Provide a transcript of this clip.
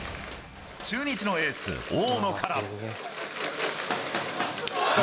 中日のエース、大野から。